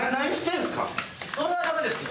それはダメですよ。